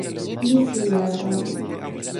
ni li suli ala tawa mi.